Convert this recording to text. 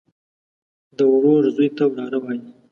د ورور زوى ته وراره وايي.